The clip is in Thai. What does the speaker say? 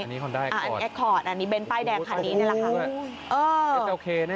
อันนี้แอคคอร์ดอันนี้เน้นป้ายแดงคันนี้นี่แหละค่ะ